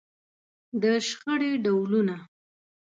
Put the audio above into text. د شخړې ډولونه.